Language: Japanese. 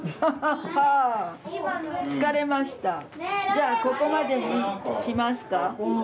じゃあここまでにしますか？